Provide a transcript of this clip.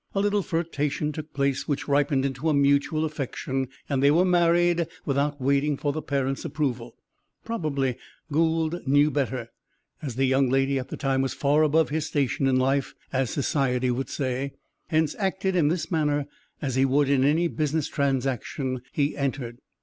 A little flirtation took place which ripened into a mutual affection, and they were married without waiting for the parents' approval, probably Gould knew better, as the young lady, at the time was far above his station in life as society would say, hence acted in this matter as he would in any business transaction he entered.